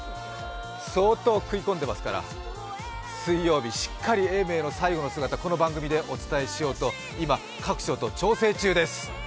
相当食い込んでますから水曜日、しっかり永明の最後の姿、この番組でお伝えしようと今、各所と調整中です！